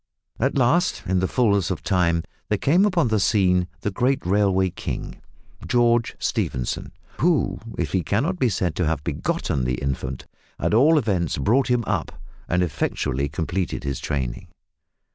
At last, in the fulness of time there came upon the scene the great railway king, George Stephenson, who, if he cannot be said to have begotten the infant, at all events brought him up and effectually completed his training.